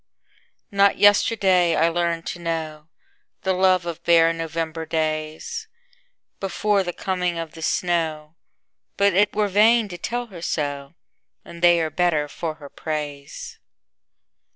Not yesterday I learned to knowThe love of bare November daysBefore the coming of the snow, But it were vain to tell her so, And they are better for her praise.